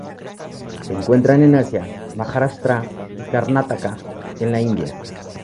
Se encuentran en Asia: Maharashtra y Karnataka en la India.